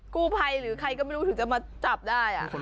กู้ภัยหรือใครก็ไม่รู้ถึงจะมาจับได้